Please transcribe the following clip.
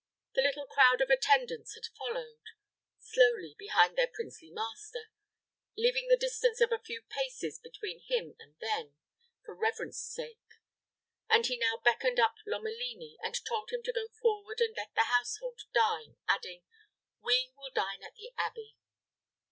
The little crowd of attendants had followed; slowly behind their princely master, leaving the distance of a few paces between him and them, for reverence' sake; and he now beckoned up Lomelini, and told him to go forward and let the household dine, adding, "We will dine at the abbey."